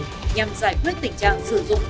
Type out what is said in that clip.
nhằm giải quyết tình trạng sử dụng